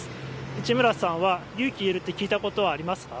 市村さんは有機ＥＬって聞いたことありますか？